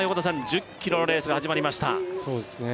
１０ｋｍのレースが始まりましたそうですね